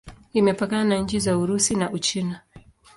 Imepakana na nchi za Urusi na Uchina.